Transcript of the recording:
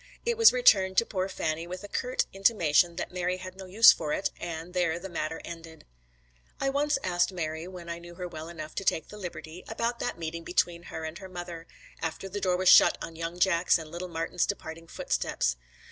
It was returned to poor Fanny, with a curt intimation that Mary had no use for it, and there the matter ended. I once asked Mary, when I knew her well enough to take the liberty, about that meeting between her and her mother, after the door was shut on young Jack's and little Martin's departing footsteps.